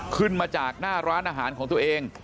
ขึ้นมาจากหน้าร้านอาหารของตัวเอง